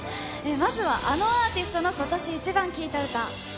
まずはあのアーティストの今年イチバン聴いた歌。